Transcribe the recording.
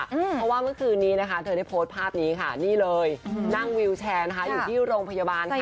เพราะว่าเมื่อคืนนี้นะคะเธอได้โพสต์ภาพนี้ค่ะนี่เลยนั่งวิวแชร์นะคะอยู่ที่โรงพยาบาลค่ะ